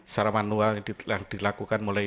secara manual itu dilakukan mulai